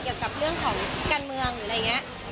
เกี่ยวกับเรื่องของการเมืองหรืออะไรอย่างนี้